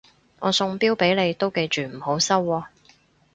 我送錶俾你都記住唔好收喎